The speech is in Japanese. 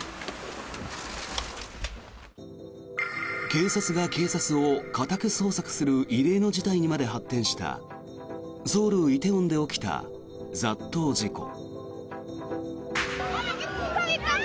警察が警察を家宅捜索する異例の事態にまで発展したソウル梨泰院で起きた雑踏事故。